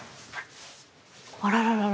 あらららら。